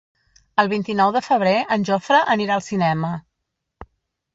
El vint-i-nou de febrer en Jofre anirà al cinema.